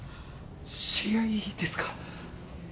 知り合いですか？